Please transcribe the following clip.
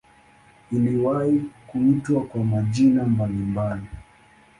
Iliwahi kuitwa kwa majina mbalimbali.